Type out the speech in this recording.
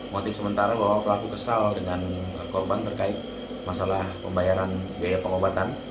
motif sementara bahwa pelaku kesal dengan korban terkait masalah pembayaran biaya pengobatan